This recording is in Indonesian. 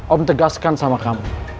om tegaskan sama kamu